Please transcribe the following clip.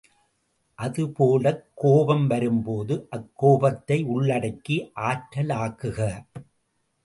அதுபோலக் கோபம் வரும்போது அக்கோபத்தை உள்ளடக்கி ஆற்றலாக்குக!